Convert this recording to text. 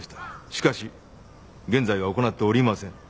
しかし現在は行っておりません。